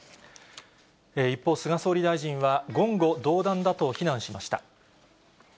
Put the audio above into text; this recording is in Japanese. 一方、菅総理大臣は言語道断だと非難しました。